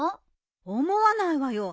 思わないわよ。